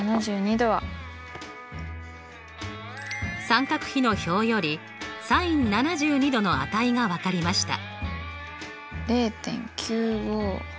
三角比の表よりｓｉｎ７２°の値が分かりました。